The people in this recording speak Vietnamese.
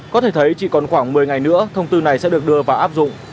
có thể thấy chỉ còn khoảng một mươi ngày nữa thông tư này sẽ được đưa vào áp dụng